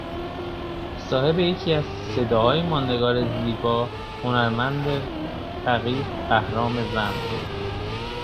صاحب یکی از صداهای ماندگار زیبا هنرمند فقید بهرام زند بود